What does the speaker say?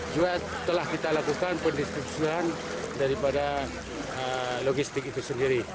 juga telah kita lakukan pendistribusian daripada logistik itu sendiri